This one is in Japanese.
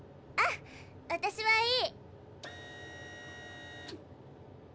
あ私はいい。